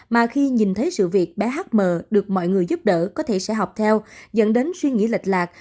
mà khi nhìn thấy sự việc bé hm được mọi người giúp đỡ có thể sẽ học theo dẫn đến suy nghĩ lệch lạc